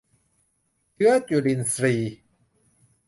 เชื้อจุลินทรีย์